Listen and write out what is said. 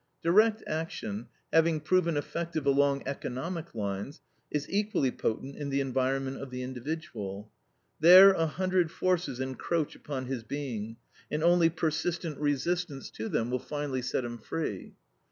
Direct action, having proven effective along economic lines, is equally potent in the environment of the individual. There a hundred forces encroach upon his being, and only persistent resistance to them will finally set him free.